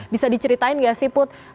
bisa diceritain nggak sih put